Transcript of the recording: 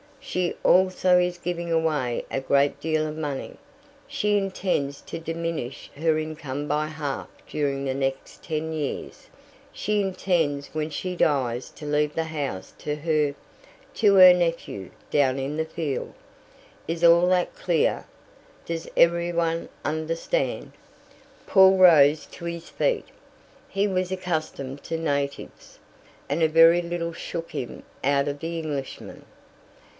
She also is giving away a great deal of money. She intends to diminish her income by half during the next ten years; she intends when she dies to leave the house to her to her nephew, down in the field. Is all that clear? Does every one understand?" Paul rose to his feet. He was accustomed to natives, and a very little shook him out of the Englishman.